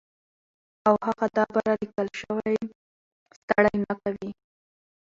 او هغه دا بره ليکلے شوي ستړې نۀ کوي